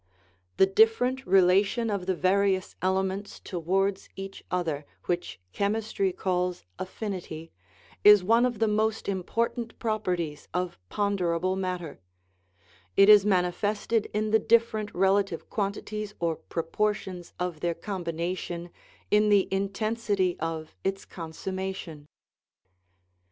* The different relation of the various elements towards each other, which chemistry calls " affinity/' is one of the most important properties of ponderable matter; it is manifested in the different relative quantities or proportions of their combination in the intensity of its consummation.